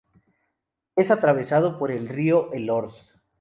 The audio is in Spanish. Es atravesado por el río Elorz.